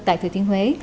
tại thủy tiến huế